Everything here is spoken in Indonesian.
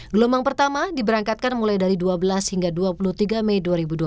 gelombang pertama diberangkatkan mulai dari dua belas hingga dua puluh tiga mei dua ribu dua puluh